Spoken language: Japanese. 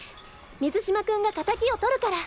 水嶋君がかたきを取るから。